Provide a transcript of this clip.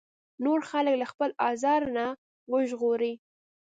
نور خلک له خپل ازار نه وژغوري.